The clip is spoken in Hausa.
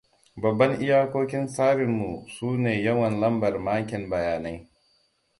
Babban iyakokin tsarin mu sune yawan lambar makin bayanai.